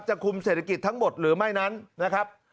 คุมเศรษฐกิจทั้งหมดหรือไม่นั้นนะครับ